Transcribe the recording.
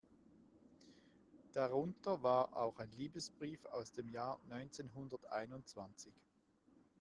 Darunter war auch ein Liebesbrief aus dem Jahr neunzehnhunderteinundzwanzig.